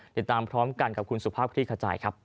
ติดตามพร้อมกันกับคุณสุภาพคลี่ขจายครับ